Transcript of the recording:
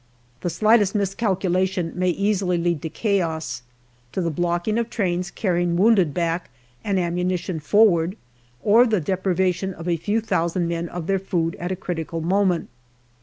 The slightest miscalculation may easily lead to chaos to the blocking of trains carrying wounded back and ammunition forward, or the deprivation of a few thousand men of their food at a critical moment.